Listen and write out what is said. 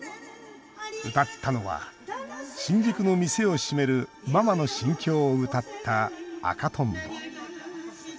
歌ったのは新宿の店を閉めるママの心境を歌った「紅とんぼ」